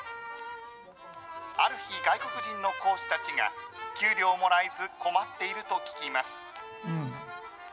ある日、外国人の講師たちが給料をもらえずに困っていると聞きます。